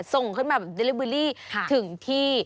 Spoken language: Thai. ส่งขึ้นมาแบบเดลิเบอร์รี่ถึงที่